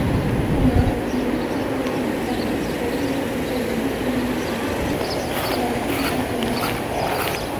Унан, муйыл таждары һибелгән керпектәрен дерелдәтә биреп, уйланып торҙо ла, «Ашҡаҙар»ҙы йырлап ебәрҙе.